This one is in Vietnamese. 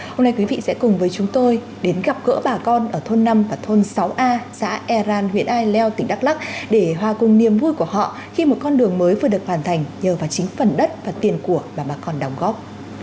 hôm nay quý vị sẽ cùng với chúng tôi đến gặp gỡ bà con ở thôn năm và thôn sáu a xã e răn huyện e leo tỉnh đắk lắc để hòa cùng niềm vui của họ khi một con đường mới vừa được hoàn thành nhờ vào chính phần đất và tiền của mà bà con đồng góp